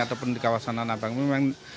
ataupun di kawasan tanah abang memang